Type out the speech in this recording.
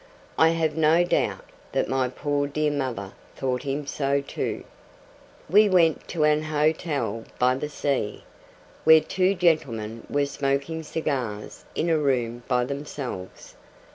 I have no doubt that my poor dear mother thought him so too. We went to an hotel by the sea, where two gentlemen were smoking cigars in a room by themselves.